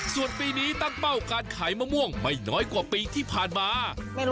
ส่วนปีนี้ตั้งเป้าการขายมะม่วงไม่น้อยกว่าปีที่ผ่านมา